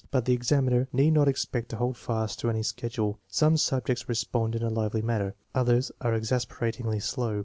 But the examiner need not expect to hold fast to any schedule. Some subjects respond in a lively manner, others are exasperatingly slow.